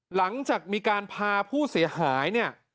หลังจากมีการพาผู้เสียหาย